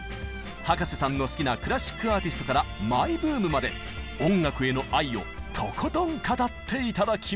葉加瀬さんの好きなクラシックアーティストからマイブームまで音楽への愛をとことん語って頂きます。